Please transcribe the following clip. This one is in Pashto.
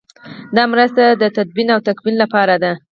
دا مرسته د تدفین او تکفین لپاره ده.